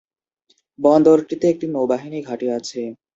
বন্দরটিতে একটি নৌবাহিনী ঘাঁটি আছে।